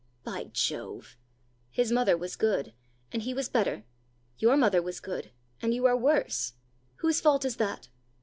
"By Jove!" "His mother was good, and he was better: your mother was good, and you are worse! Whose fault is that?"